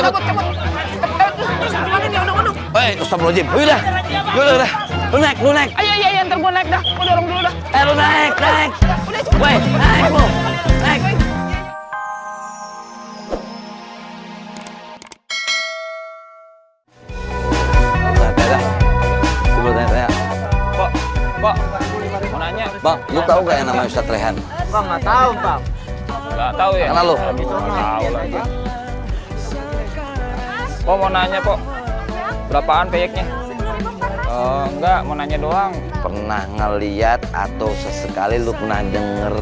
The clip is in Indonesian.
kok berapaan kayaknya enggak mau nanya doang pernah ngelihat atau sesekali lu pernah denger